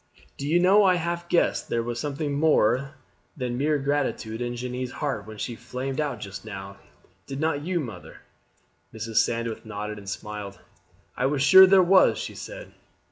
"Do you know I half guessed there was something more than mere gratitude in Jeanne's heart when she flamed out just now; did not you, mother?" Mrs. Sandwith nodded and smiled. "I was sure there was," she said.